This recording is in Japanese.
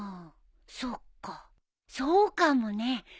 そっかそうかもね。